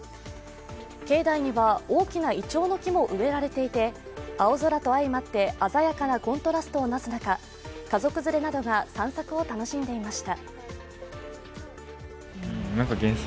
境内には大きないちょうの木も植えられていて青空と相まって鮮やかなコントラストを成す中、家族連れなどが散策を楽しんでいました。